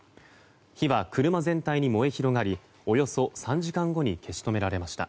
火は車全体に燃え広がりおよそ３時間後に消し止められました。